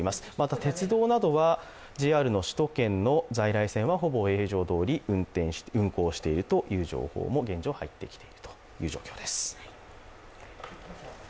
鉄道などはＪＲの首都圏の在来線はほぼ平常どおり運行しているという情報も入ってきている状況です。